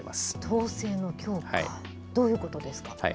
統制の強化、どういうことですか。